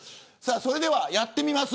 それでは、やってみます。